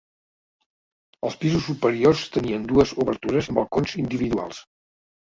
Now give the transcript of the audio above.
Els pisos superiors tenien dues obertures amb balcons individuals.